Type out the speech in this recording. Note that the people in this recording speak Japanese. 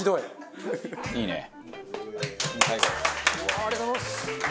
ありがとうございます。